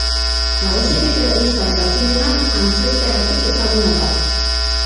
Nagusiki telebistan eta zineman antzezteagatik ezaguna da.